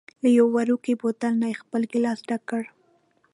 له یوه وړوکي بوتل نه یې خپل ګېلاس ډک کړ.